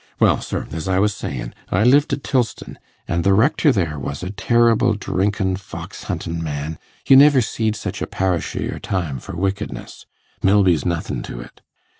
Well, sir, as I was sayin', I lived at Tilston, an' the rector there was a terrible drinkin', fox huntin' man; you niver see'd such a parish i' your time for wickedness; Milby's nothin' to it.